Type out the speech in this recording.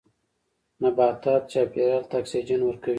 نباتات چاپیریال ته اکسیجن ورکوي